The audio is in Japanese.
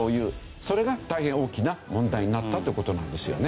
それが大変大きな問題になったという事なんですよね。